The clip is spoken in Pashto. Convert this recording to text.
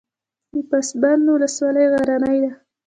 د پسابند ولسوالۍ غرنۍ ده